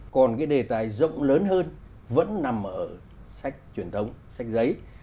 còn cái đề tài rộng lớn hơn vẫn nằm ở sách truyền thống sách giấy